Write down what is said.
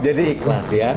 jadi ikhlas ya